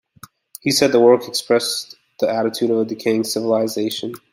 He said the work expressed "the attitude of a decaying civilisation".